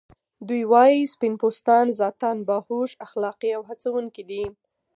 دوی وايي سپین پوستان ذاتاً باهوښ، اخلاقی او هڅونکي دي.